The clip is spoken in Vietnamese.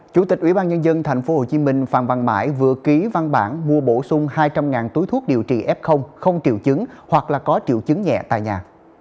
chủ tịch ủy ban nhân dân tp hcm phạm văn mãi vừa ký văn bản mua bổ sung hai trăm linh túi thuốc điều trị f không triệu chứng hoặc là có triệu chứng nhẹ tại nhà